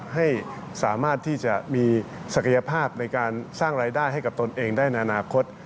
ให้สามารถที่จะมีศักยภาพในการสร้างรายได้ให้กับตนเองได้ในอนาคต